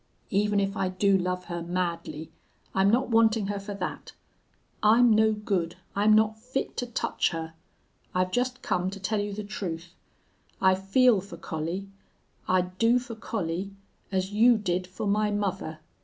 Even if I do love her madly I'm not wanting her for that. I'm no good. I'm not fit to touch her.... I've just come to tell you the truth. I feel for Collie I'd do for Collie as you did for my mother!